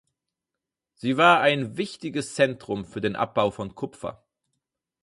Sie war ein wichtiges Zentrum für den Abbau von Kupfer.